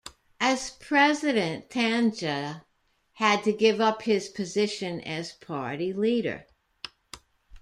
As President, Tandja had to give up his position as party leader.